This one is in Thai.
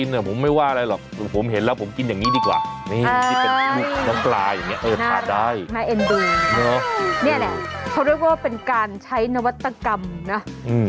น่าเอ็นดูเนอะเนี้ยแหละเขาเรียกว่าเป็นการใช้นวัตกรรมนะอืม